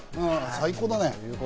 最高だね。